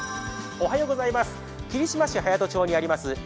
霧島市隼人町にあります